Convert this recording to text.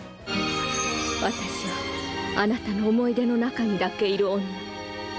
私はあなたの思い出の中にだけいる女。